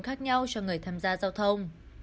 khác nhau cho người tham gia giao thông